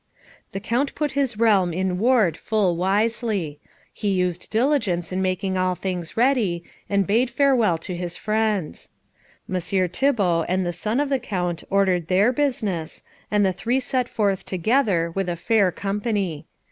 The Count put his realm in ward full wisely. He used diligence in making all things ready, and bade farewell to his friends. Messire Thibault and the son of the Count ordered their business, and the three set forth together, with a fair company.